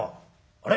「あれ？